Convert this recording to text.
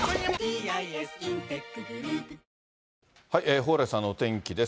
蓬莱さんのお天気です。